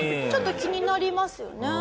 ちょっと気になりますよね。